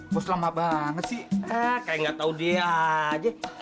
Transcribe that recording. bos lama banget sih kayak nggak tahu dia aja